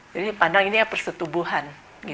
jadi pandang ini ya persetubuhan